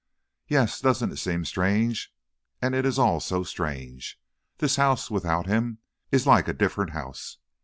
"Yes; doesn't it seem strange? And it is all so strange! This house, without him, is like a different house.